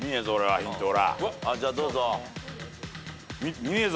じゃあどうぞ。